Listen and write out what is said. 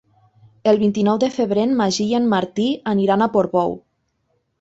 El vint-i-nou de febrer en Magí i en Martí aniran a Portbou.